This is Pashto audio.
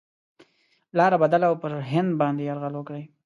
لاره بدله او پر هند باندي یرغل وکړي.